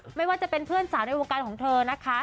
ไม่ว่าจะเป็นเพื่อนสาวในวงการของเธอนะคะ